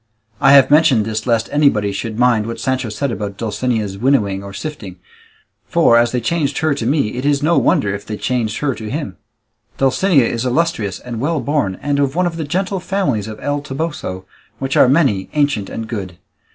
I have mentioned this lest anybody should mind what Sancho said about Dulcinea's winnowing or sifting; for, as they changed her to me, it is no wonder if they changed her to him. Dulcinea is illustrious and well born, and of one of the gentle families of El Toboso, which are many, ancient, and good.